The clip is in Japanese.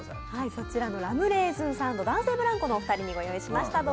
このラムレーズンサンド、男性ブランコのお二人にご用意しました。